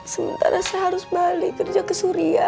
sementara saya harus balik kerja ke suria